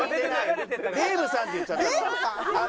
デーブさんって言っちゃったの。